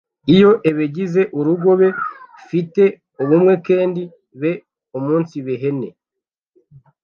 Iyo ebegize urugo be fi te ubumwe kendi beumunsibehene